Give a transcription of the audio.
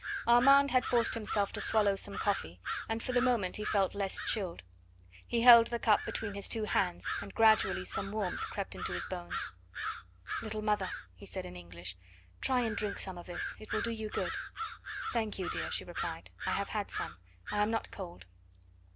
Armand had forced himself to swallow some coffee, and for the moment he felt less chilled. He held the cup between his two hands, and gradually some warmth crept into his bones. "Little mother," he said in English, "try and drink some of this, it will do you good." "Thank you, dear," she replied. "I have had some. I am not cold."